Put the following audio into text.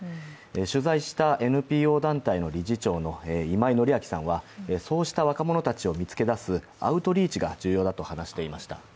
取材したＮＰＯ団体の理事長の今井紀明さんは、そうした若者たちを見つけ出すアウトリーチが大事だと話していました。